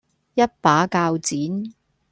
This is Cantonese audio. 一把鉸剪